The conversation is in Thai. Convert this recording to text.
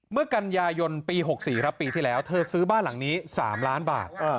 เมื่อกันยายนปี๖๔ครับปีที่แล้วเธอซื้อบ้านหลังนี้๓ล้านบาท